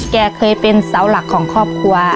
แกเคยเป็นเสาหลักของครอบครัว